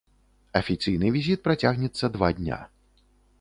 Афіцыйны візіт працягнецца два дня.